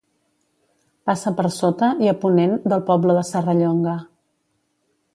Passa per sota, i a ponent, del poble de Serrallonga.